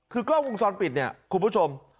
คือกล้องวงจรปิดเนี่ยคุณผู้ชม